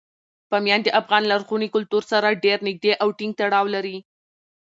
بامیان د افغان لرغوني کلتور سره ډیر نږدې او ټینګ تړاو لري.